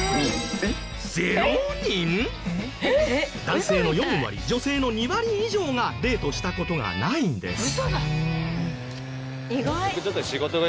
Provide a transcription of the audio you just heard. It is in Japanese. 男性の４割女性の２割以上がデートした事がないんです。